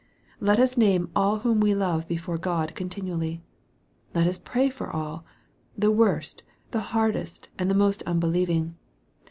Let us name all whom we love before God continually. Let us pray for all the worst, the hard est, and the most unbelieving.